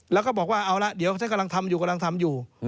แล้วก็บอกว่าเอาละเดี๋ยวฉันกำลังทำอยู่กำลังทำอยู่